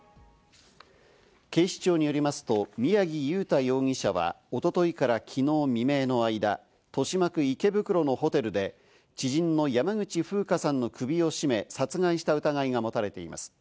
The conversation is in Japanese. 警視庁によりますと、宮城祐太容疑者は一昨日から昨日未明の間、豊島区池袋のホテルで知人の山口ふうかさんの首を絞め殺害した疑いが持たれています。